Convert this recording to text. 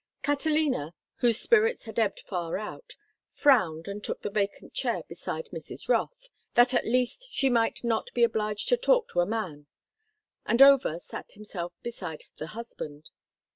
Catalina, whose spirits had ebbed far out, frowned and took the vacant chair beside Mrs. Rothe, that at least she might not be obliged to talk to a man, and Over sat himself beside the husband.